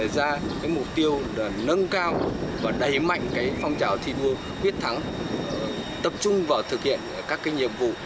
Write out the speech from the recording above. ra cái mục tiêu nâng cao và đẩy mạnh cái phong trào thi đua biết thắng tập trung vào thực hiện các cái nhiệm vụ